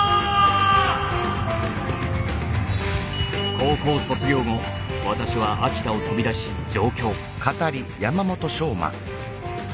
高校卒業後私は秋田を飛び出し上京。